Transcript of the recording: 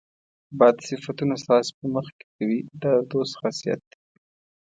بد صفتونه ستاسو په مخ کې کوي دا د دوست خاصیت دی.